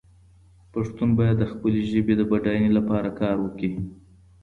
پښتون باید د خپلې ژبې د بډاینې لپاره کار وکړي.